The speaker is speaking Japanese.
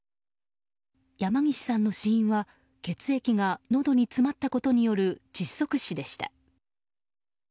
山岸さんの死因は血液がのどに詰まったことによる窒息死でした。